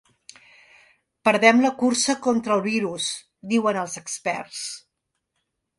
Perdem la cursa contra el virus –diuen els experts–.